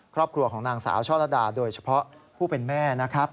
ครอบครัวของนางสาวช่อระดาโดยเฉพาะผู้เป็นแม่นะครับ